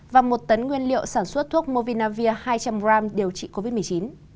và một tấn nguyên liệu sản xuất thuốc movinavir hai trăm linh g điều trị covid một mươi chín